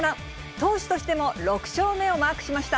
投手としても６勝目をマークしました。